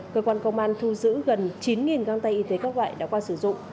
cơ quan công an thu giữ gần chín găng tay y tế các loại đã qua sử dụng